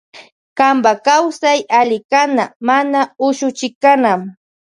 Kanpa kawsay alli kana mana usuchikana.